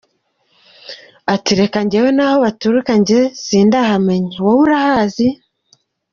Ati: “Reka njyewe n’aho baturutse njye sindahamenya, wowe urahazi?”